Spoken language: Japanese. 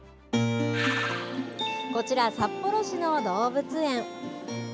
こちら、札幌市の動物園。